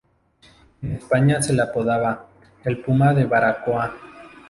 En España se le apodaba "El puma de Baracoa".